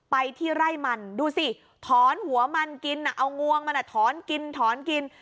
ไปที่ไร่มันดูสิถอนหัวมันกินเอางวงมันถอนกินถอนกิน